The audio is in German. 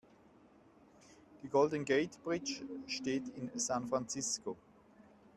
Die Golden Gate Bridge steht in San Francisco.